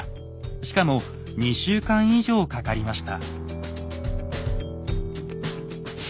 しかも２週間以上かかりました。